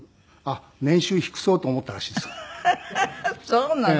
そうなの？